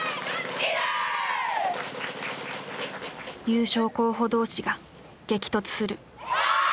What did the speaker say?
優勝候補同士が激突する。